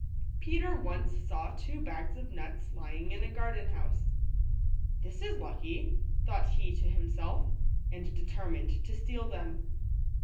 I »™ S ETBR once saw ^ two bags of nuts Sji lying in a garden —^ house. " This is lucky," thought he to him self ; and determined to steal £ them.